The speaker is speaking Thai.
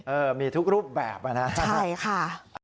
เออมีทุกรูปแบบอะนะใช่ค่ะใช่ค่ะ